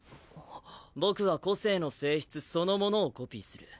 僕は個性の性質そのものをコピーする。